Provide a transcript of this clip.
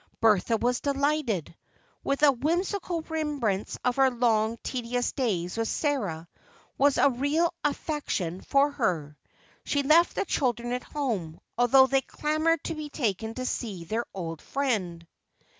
Bertha was delighted. With a whimsical remembrance of her long, tedious days with Sarah was a real affection for her. She left the children at home, although they clamored to be taken to see their old friend.